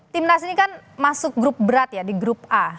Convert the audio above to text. timnas ini kan masuk grup berat ya di grup a